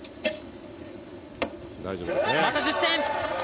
また１０点。